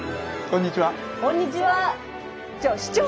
こんにちは！